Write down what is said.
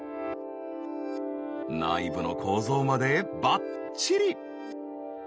内部の構造までばっちり。